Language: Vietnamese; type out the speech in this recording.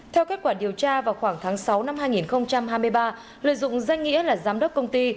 theo kết quả điều tra vào khoảng tháng sáu năm hai nghìn hai mươi ba lợi dụng danh nghĩa là giám đốc công ty